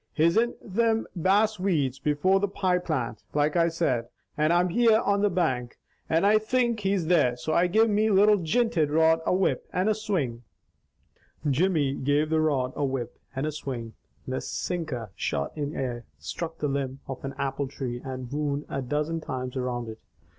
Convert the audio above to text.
He's in thim bass weeds before the pie plant, like I said, and I'm here on the bank, and I THINK he's there, so I give me little jinted rod a whip and a swing " Jimmy gave the rod a whip and a swing. The sinker shot in air, struck the limb of an apple tree and wound a dozen times around it.